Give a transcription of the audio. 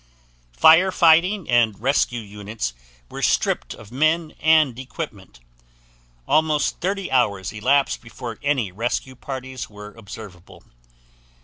Fire fighting and rescue units were stripped of men and equipment. Almost 30 hours elapsed before any rescue parties were observable.